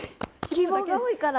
希望が多いから。